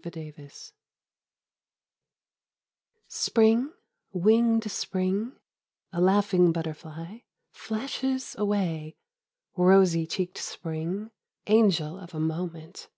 69 SPRING Spring, Winged Spring, A laughing butterfly. Flashes away, Rosy cheeked Spring, Angel of a moment.